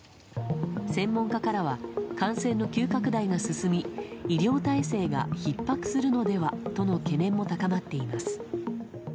専門家からは感染の急拡大が進み医療体制がひっ迫するのではとの懸念も高まっています。